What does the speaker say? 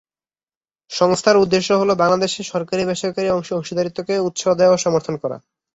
সংস্থার উদ্দেশ্য হ'ল বাংলাদেশে সরকারী-বেসরকারী অংশীদারত্ব কে উৎসাহ দেওয়া এবং সমর্থন করা।